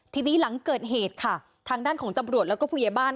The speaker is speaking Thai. ทีนี้หลังเกิดเหตุค่ะทางด้านของตำรวจแล้วก็ผู้ใหญ่บ้าน